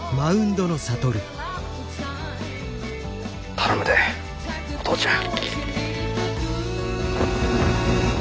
頼むでお父ちゃん。